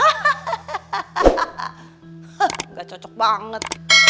hah gak cocok banget